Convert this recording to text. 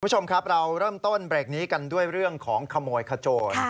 คุณผู้ชมครับเราเริ่มต้นเบรกนี้กันด้วยเรื่องของขโมยขโจร